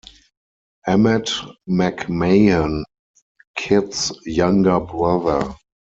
"Emmet McMahon"- Kit's younger brother.